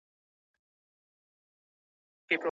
ښوونځی باید د سولې کلتور خپور کړي.